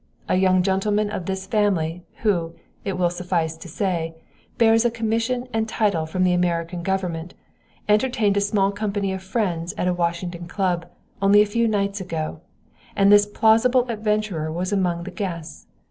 A young gentleman of this family, who, it will suffice to say, bears a commission and title from the American government, entertained a small company of friends at a Washington club only a few nights ago, and this plausible adventurer was among the guests.